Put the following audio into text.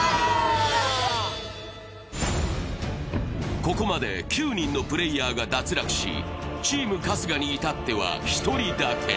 ここまで９人のプレーヤーが脱落しチーム春日に至っては１人だけ。